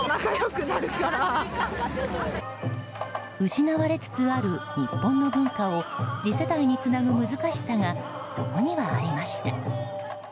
失われつつある日本の文化を次世代につなぐ難しさがそこにはありました。